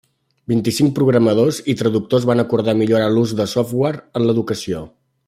Vint-i-cinc programadors i traductors van acordar millorar l'ús del software en l'educació.